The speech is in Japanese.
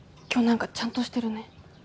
今日何かちゃんとしてるね